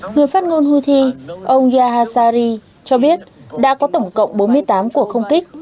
người phát ngôn houthi ông yahashari cho biết đã có tổng cộng bốn mươi tám cuộc không kích